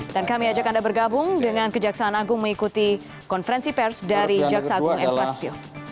dan kami ajak anda bergabung dengan kejaksaan agung mengikuti konferensi pers dari jaksa agung m pasio